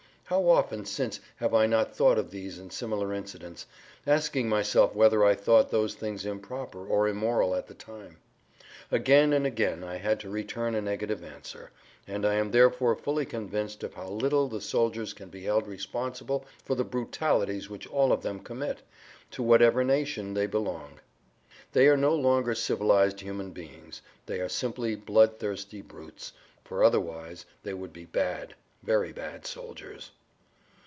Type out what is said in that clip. How often since have I not thought of these and similar incidents, asking myself whether I thought those things improper or immoral at the time? Again and again I had to return a negative answer, and I am therefore fully convinced of how little the soldiers can be held responsible for the brutalities which all of them commit, to whatever nation they belong. They are no longer civilized human beings, they are simply bloodthirsty brutes, for otherwise they would be bad, very bad soldiers.